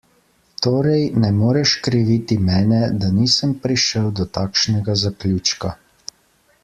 Torej, ne moreš kriviti mene, da nisem prišel do takšnega zaključka.